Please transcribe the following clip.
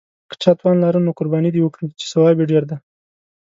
که چا توان لاره نو قرباني دې وکړي، چې ثواب یې ډېر دی.